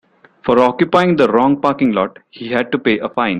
For occupying the wrong parking lot he had to pay a fine.